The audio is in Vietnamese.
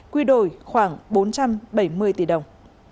quy đổi khoảng bốn trăm bảy mươi tỷ đồng